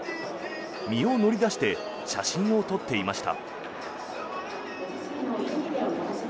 身を乗り出して写真を撮っていました。